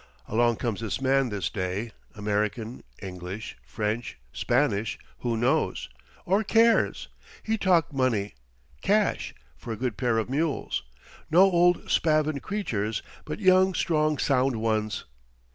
Along comes this man this day American, English, French, Spanish, who knows? Or cares? He talked money cash for a good pair of mules. No old spavined creatures, but young, strong, sound ones.